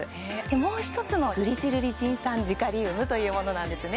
もう一つのグリチルリチン酸ジカリウムというものなんですね